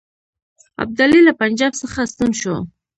ابدالي له پنجاب څخه ستون شو.